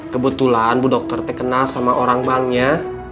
kebetulan ibu dokter dikenal sama orang banknya